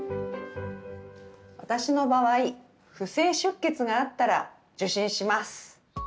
私の場合不正出血があったら受診します。